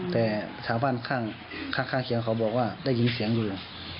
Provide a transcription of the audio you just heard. แต่ชาวบ้านข้างเคียงเขาบอกว่าได้ยินเสียงอยู่